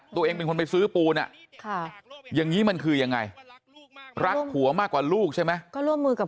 ตัวเองเป็นคนไปซื้อปูนอย่างนี้มันคือยังไงรักผัวมากกว่าลูกใช่ไหมก็ร่วมมือกับ